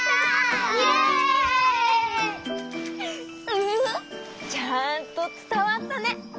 ウフフ！ちゃんとつたわったね！